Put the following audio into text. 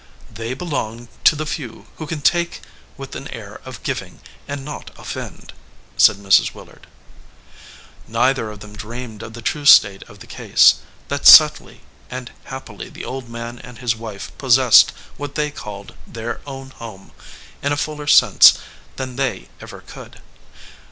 "They belong to the few who can take with an air of giving and not offend," said Mrs. Willard. Neither of them dreamed of the true state of the case : that subtly and happily the old man and his wife possessed what they called their own home in a fuller sense than they ever could.